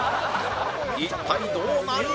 一体どうなる？